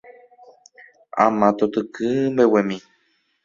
ama totyky mbeguemi